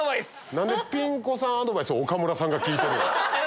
何でピン子さんアドバイスを岡村さんが聞いてるわけ？